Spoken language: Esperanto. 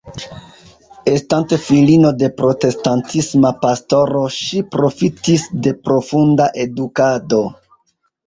Estante filino de protestantisma pastoro ŝi profitis de profunda edukado.